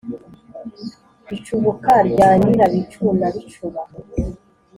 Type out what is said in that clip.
icubuka rya nyirabicu na bicuba,